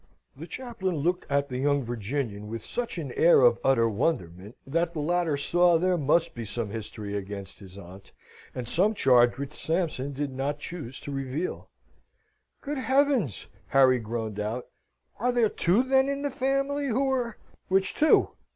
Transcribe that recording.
The chaplain looked at the young Virginian with such an air of utter wonderment, that the latter saw there must be some history against his aunt, and some charge which Sampson did not choose to reveal. "Good heavens!" Harry groaned out, "are there two then in the family, who are ?" "Which two?"